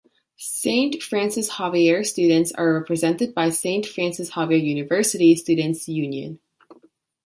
Saint Francis Xavier students are represented by Saint Francis Xavier University Students' Union.